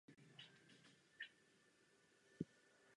Jsem připravena diskutovat a na diskusi se těším.